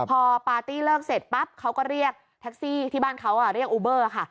พอปาร์ตี้เลิกเสร็จปั๊บเขาก็เรียกแท็กซี่ที่บ้านเขาเรียกอูเบอร์ค่ะ